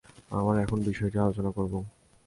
আমরা এখন বিষয়টি আলোচনা করিব।